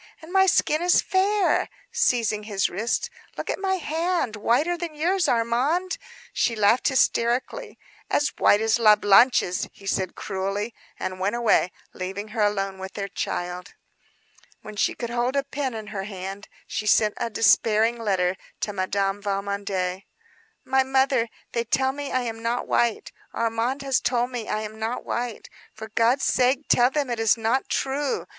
And my skin is fair," seizing his wrist. "Look at my hand; whiter than yours, Armand," she laughed hysterically. "As white as La Blanche's," he returned cruelly; and went away leaving her alone with their child. When she could hold a pen in her hand, she sent a despairing letter to Madame Valmondé. "My mother, they tell me I am not white. Armand has told me I am not white. For God's sake tell them it is not true.